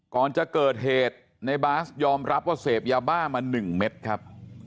ก่อนจะเกิดเหตุในบาสยอมรับว่าเสพยาบ้ามา๑เม็ดครับ